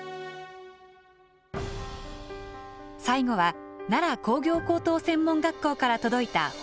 最後は奈良工業高等専門学校から届いた報告動画。